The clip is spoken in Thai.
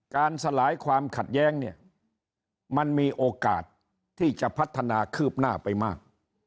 สลายความขัดแย้งเนี่ยมันมีโอกาสที่จะพัฒนาคืบหน้าไปมาก